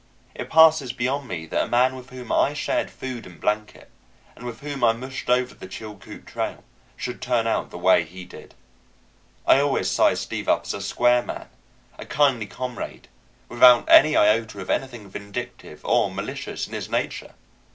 It passes beyond me that a man with whom I shared food and blanket, and with whom I mushed over the Chilcoot Trail, should turn out the way he did. I always sized Steve up as a square man, a kindly comrade, without an iota of anything vindictive or malicious in his nature.